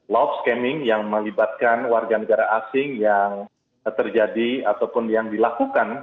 love scamming yang melibatkan warga negara asing yang terjadi ataupun yang dilakukan